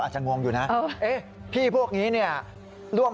หลบ